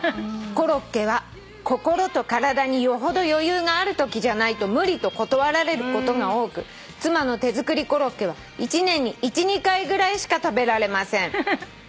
「『コロッケは心と体によほど余裕があるときじゃないと無理』と断られることが多く妻の手作りコロッケは１年に１２回ぐらいしか食べられません」